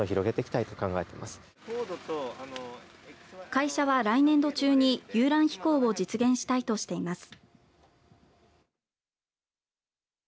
会社は、来年度中に遊覧飛行を実現したいとしています。